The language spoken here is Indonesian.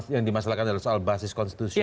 yang dimasalahkan adalah soal basis konstitusi